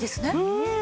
うん！